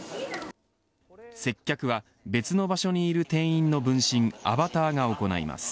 接客は別の場所にいる店員の分身アバターが行います。